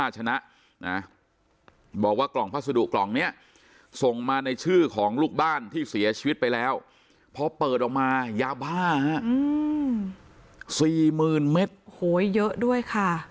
ชื่อของลูกบ้านที่เสียชีวิตไปแล้วพอเปิดออกมายาบ้าอืมสี่หมื่นเม็ดโหเยอะด้วยค่ะ